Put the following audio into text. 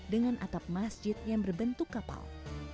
dengan atap masjid yang berbentuk kapal